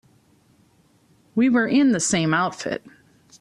We were in the same outfit.